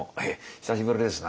久しぶりですな」。